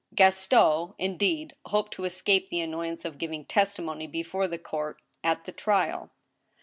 Gaston, indeed, hoped to escape the annoyance of giving testi mony before the court at the trial.